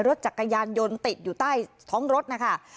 รถจักรยานยนต์ติดอยู่ใต้ท้องรถนะคะ